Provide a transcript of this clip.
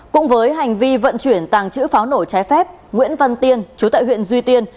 cùng với hành vi vận chuyển tàng chữ pháo nổi trái phép nguyễn văn tiên chú tại huyện duy tiên